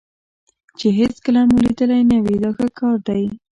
چې هېڅکله مو لیدلی نه وي دا ښه کار دی.